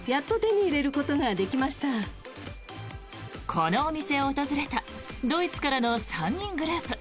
このお店を訪れたドイツからの３人グループ。